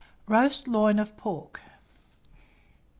ROAST LOIN OF PORK. 829.